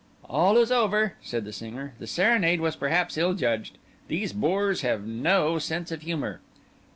"All is over," said the singer. "The serenade was perhaps ill judged. These boors have no sense of humour."